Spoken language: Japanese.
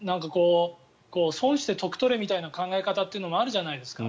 損して得取れみたいな考え方みたいのもあるじゃないですか。